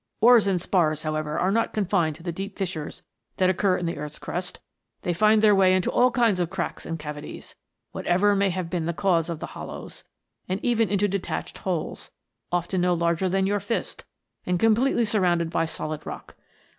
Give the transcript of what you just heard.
" Ores and spars, however, are not confined to the deep fissures that occur in the earth's crust. They find their way into all kinds of cracks and cavities, whatever may have been the cause of the hollows, and even into detached holes, often no larger than your fist, and completely surrounded by solid rock.